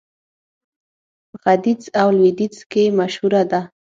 په ختيځ او لوېديځ کې مشهوره ده.